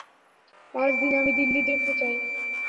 পাঁচ দিনে আমি দিল্লি দেখতে চাই।